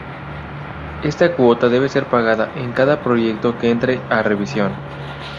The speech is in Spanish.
Esta cuota debe ser pagada en cada proyecto que entre a revisión.